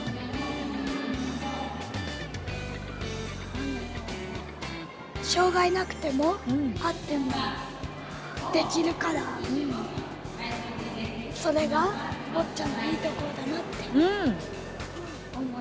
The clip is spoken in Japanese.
あの障害なくてもあってもできるからそれがボッチャのいいところだなって思います。